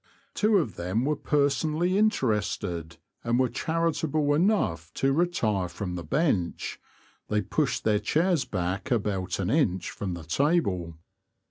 Two of them were personally interested, and were charitable enough to retire from the Bench — they pushed their chairs back about an inch from the table.